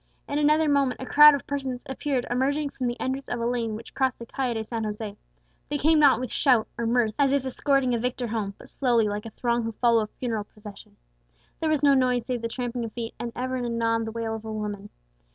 In another moment a crowd of persons appeared emerging from the entrance of a lane which crossed the Calle de San José. They came not with shout or mirth, as if escorting a victor home, but slowly, like a throng who follow a funeral procession. There was no noise, save the tramping of feet, and ever and anon the wail of a woman.